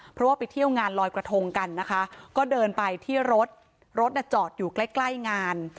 เพราะว่าไปเที่ยวงานลอยกระทงกันนะคะก็เดินไปที่รถรถจอดอยู่ใกล้ใกล้งาน